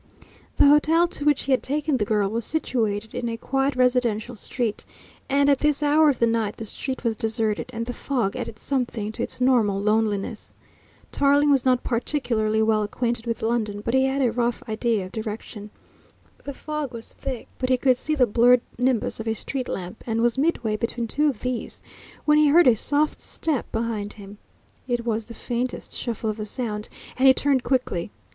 The hotel to which he had taken the girl was situated in a quiet residential street, and at this hour of the night the street was deserted, and the fog added something to its normal loneliness. Tarling was not particularly well acquainted with London, but he had a rough idea of direction. The fog was thick, but he could see the blurred nimbus of a street lamp, and was midway between two of these when he heard a soft step behind him. It was the faintest shuffle of sound, and he turned quickly.